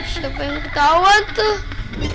siapa yang ketawa tuh